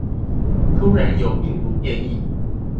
突然有病毒變異